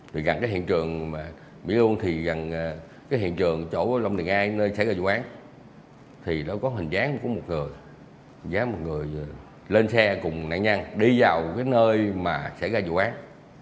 từ gần cái hiện trường mỹ luông thì gần cái hiện trường chỗ lâm đình ai nơi xảy ra vụ án thì nó có hình dáng của một người hình dáng một người lên xe cùng nạn nhân đi vào cái nơi mà xảy ra vụ án